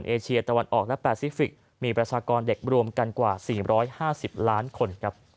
เอเชียตะวันออกและแปซิฟิกส์มีประชากรเด็กรวมกันกว่า๔๕๐ล้านคน